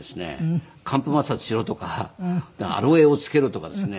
乾布摩擦しろとかアロエを付けろとかですね。